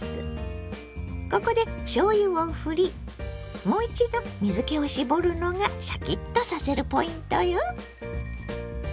ここでしょうゆをふりもう一度水けを絞るのがシャキッとさせるポイントよ。